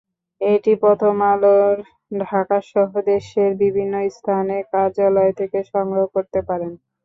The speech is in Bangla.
এটি প্রথম আলোর ঢাকাসহ দেশের বিভিন্ন স্থানের কার্যালয় থেকে সংগ্রহ করতে পারেন।